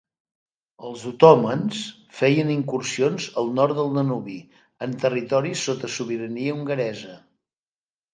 Els otomans feien incursions al nord del Danubi, en territoris sota sobirania hongaresa.